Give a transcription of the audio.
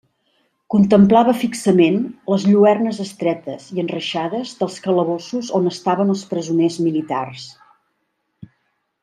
Contemplava fixament les lluernes estretes i enreixades dels calabossos on estaven els presoners militars.